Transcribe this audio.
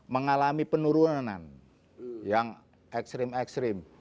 mengalami penurunan yang ekstrim ekstrim